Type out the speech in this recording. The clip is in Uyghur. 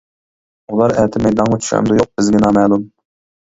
ئۇلار ئەتە مەيدانغا چۈشەمدۇ يۇق بىزگە نامەلۇم.